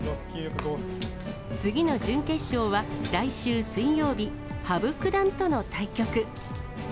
次の準決勝は来週水曜日、羽生九段との対局。